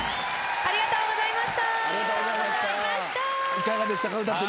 ありがとうございます。